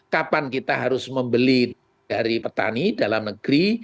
kapan kita harus membeli dari petani dalam negeri